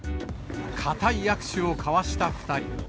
固い握手を交わした２人。